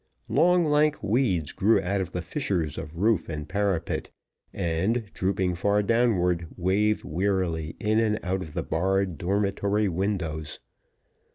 Long lank weeds grew out of the fissures of roof and parapet, and, drooping far downward, waved wearily in and out of the barred dormitory windows.